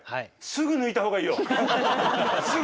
すぐ抜いたほうがいい。